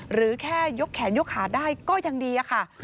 หรือแค่ยกแขนยกขาได้ก็ยังดีอะค่ะ